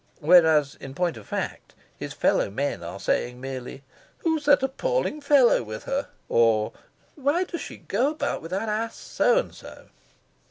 Whereas, in point of fact, his fellow men are saying merely "Who's that appalling fellow with her?" or "Why does she go about with that ass So and So?"